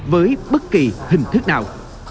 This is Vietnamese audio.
với bất kỳ hình thức nào